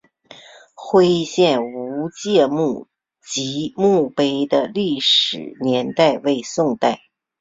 徽县吴玠墓及墓碑的历史年代为南宋。